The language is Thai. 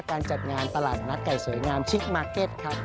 การจัดงานตลาดนัดไก่สวยงามชิคมาร์เก็ตครับ